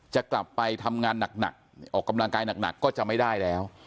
จะกลับไปทำงานหนักออกกำลังกายหนักก็จะไม่ได้แล้ว